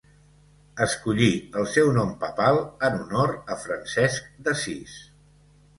Escollí el seu nom papal en honor a Francesc d'Assís.